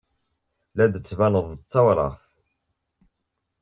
La d-tettbaneḍ d tawraɣt.